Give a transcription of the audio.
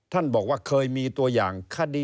ท่านบอกว่าเคยมีตัวอย่างคดี